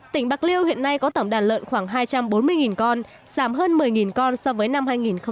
tỉnh bạc liêu hiện nay có tổng đàn lợn khoảng hai trăm bốn mươi con giảm hơn một mươi con so với năm hai nghìn một mươi tám